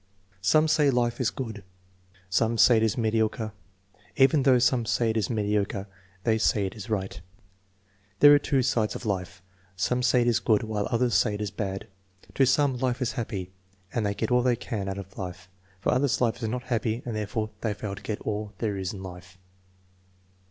" Some say life is good, some say it is mediocre. Even though some say it is mediocre they say it is right." "There are two sides of life. Some say it is good while others say it is bad. To some, life is happy and they get all they can out of lif e. For others life is not happy and therefore they fail to get all there is hi life."